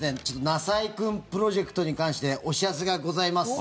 なさいくんプロジェクトに関してお知らせがございます。